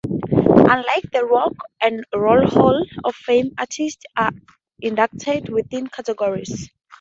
Unlike the Rock and Roll Hall of Fame, artists are inducted within categories.